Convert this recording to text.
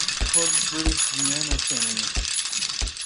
Club's British Guiana Centre.